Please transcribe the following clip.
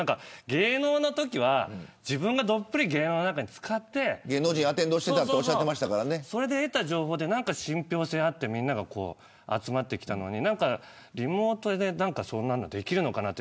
芸能のときは自分がどっぷり芸能の中につかってそれで得た情報で信憑性があってみんなが集まってきたのにリモートでそんなのできるのかなと。